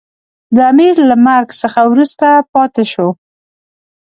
د امیر له مرګ څخه وروسته پاته شو.